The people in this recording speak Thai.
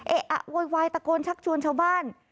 อะโวยวายตะโกนชักชวนชาวบ้าน